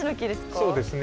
そうですね。